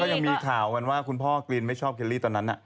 ยังมีข่าวกันว่าคุณพ่อกรีนไม่ชอบเคลลี่ตอนนั้น